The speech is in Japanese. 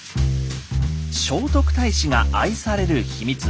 聖徳太子が愛されるヒミツ。